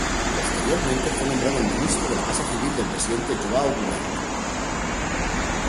Posteriormente fue nombrado ministro de la Casa Civil del presidente João Goulart.